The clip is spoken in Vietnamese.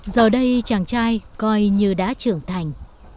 giờ đây chàng trai coi như đã trưởng thành